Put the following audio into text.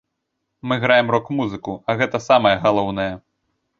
Мы граем рок-музыку, а гэта самае галоўнае.